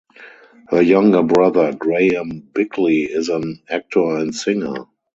Her younger brother Graham Bickley is an actor and singer.